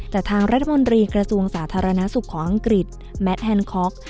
แต่ทางรัฐมนตรีกระทรวงสาธารณสุขของอังกฤษแมทแฮนคอก